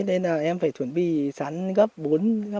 nên là em phải chuẩn bị sán gấp bốn năm năm lần bình thường ạ